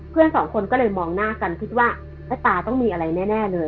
เพื่อนสองคนก็เลยมองหน้ากันคิดว่าตาต้องมีอะไรแน่เลย